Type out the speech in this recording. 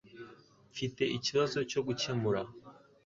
Mfite ikibazo cyo gukemura